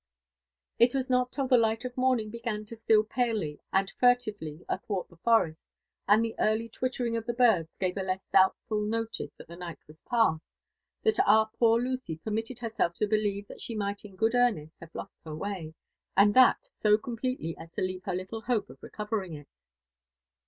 It was not till the light of morning began to steal palely and furtively athwart the forest, and the early twittering of the birds gave a less doubtful notice that the night was past, that our poor Lucy permitted herself to believe that she migh^ in good earnest have lost her way, and that so completely as to leave her little hope of recovering it.